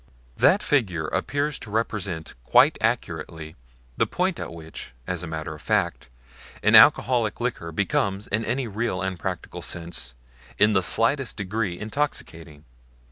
That figure appears to represent quite accurately the point at which, as a matter of fact, an alcoholic liquor becomes in any real and practical sense in the slightest degree intoxicating.